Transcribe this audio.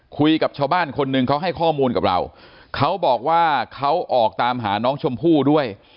คุยกับชาวบ้านคนหนึ่งเขาให้ข้อมูลกับเราเขาบอกว่าเขาออกตามหาน้องชมพู่ด้วย